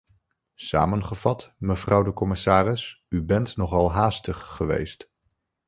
Samengevat, mevrouw de commissaris, u bent nogal haastig geweest.